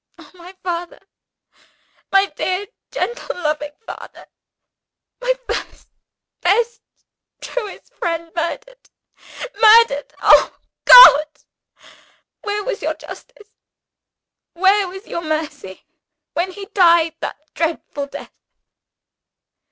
"Oh, my father my dear, gentle, loving father; my first, best, truest friend murdered! murdered! Oh, God, where was your justice, where was your mercy, when he died that dreadful death?"